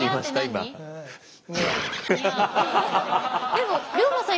でも龍馬さん